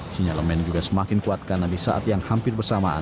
sinyalemen juga semakin kuat karena di saat yang hampir bersamaan